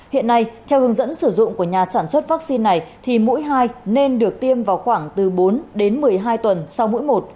hiện nay theo hướng dẫn sử dụng của nhà sản xuất vaccine này thì mũi hai nên được tiêm vào khoảng từ bốn đến một mươi hai tuần sau mỗi một